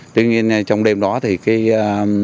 tuy nhiên trong đêm đó thì cái